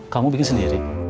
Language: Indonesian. kamu bikin sendiri